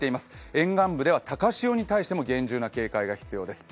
沿岸部に対しては高潮にも厳重な警戒が必要です。